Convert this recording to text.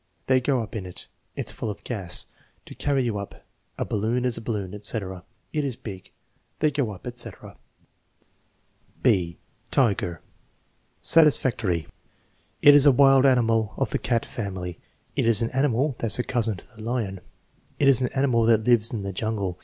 "They go up in it." "It's full of gas." "To carry you up.'* "A balloon is a balloon," etc. "It is big." "They go up/* etc. TEST NO. Vm, 5 223 (5) Tiger Satisfactory. "It is a wild animal of the cat family." "It is an animal that's a cousin to the lion." "It is an animal that lives in the jungle."